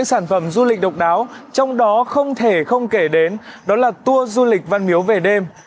sản phẩm du lịch độc đáo trong đó không thể không kể đến đó là tour du lịch văn miếu về đêm